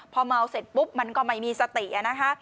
พอเมาเสร็จปุ๊บมันก็ไม่มีสตินะคะ